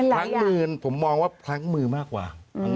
และเนื้อพันธุ์มือมากว่า